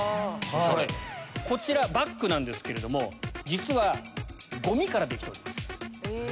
こちらバッグなんですけれども実はゴミからできております。